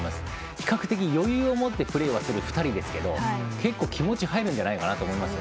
比較的、余裕を持ってプレーはする２人ですけど結構、気持ちが入ると思います。